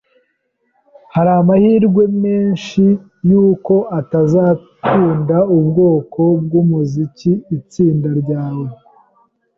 Hari amahirwe menshi yuko atazakunda ubwoko bwumuziki itsinda ryawe.